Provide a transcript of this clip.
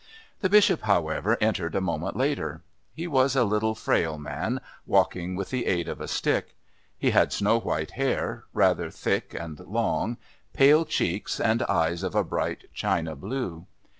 The Bishop, however, entered a moment later. He was a little, frail man, walking with the aid of a stick. He had snow white hair, rather thick and long, pale cheeks and eyes of a bright china blue.